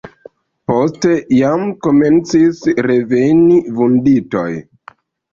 Poste jam komencis reveni vunditoj.